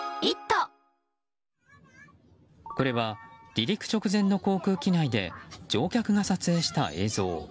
これは離陸直前の航空機内で乗客が撮影した映像。